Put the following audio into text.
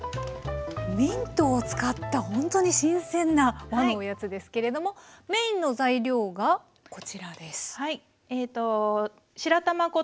ミントを使ったほんとに新鮮な和のおやつですけれどもメインの材料がこちらです。